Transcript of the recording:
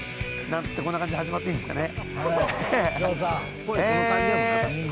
なんつって、こんな感じで始まっていいんですかね。